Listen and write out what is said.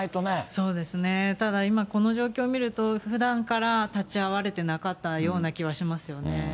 そうですね、ただ、今この状況を見ると、ふだんから立ち会われてなかったような気はしますよね。